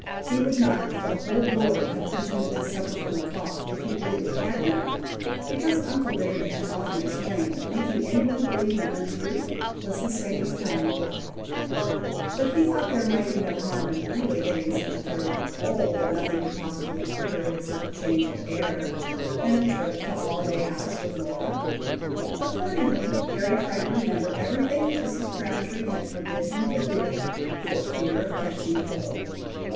He would not, for the whole world have pretended to suffer from a cough if he really had none, because uncle David had often explained that making any one believe an un truth was the same as telling a lie; but he thought there might be no harm in really getting such a terrible cold, that nothing could possibly cure it except change of air, and a trip to Holiday House with Laura. Accordingly Harry tried to remember every thing that Mrs. Crabtree had forbid him to do "for fear of catching cold."